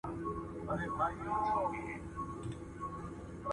هغه وويل چي لوبه ښه ده!.